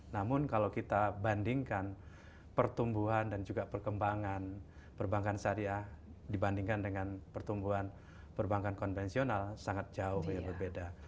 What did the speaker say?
namun kalau kita bandingkan pertumbuhan dan juga perkembangan perbankan syariah dibandingkan dengan pertumbuhan perbankan konvensional sangat jauh berbeda